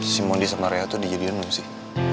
si mondi sama ria tuh dijadikan belum sih